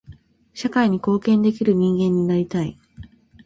社会に貢献できる人間になりたい。